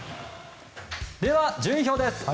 では、順位表です。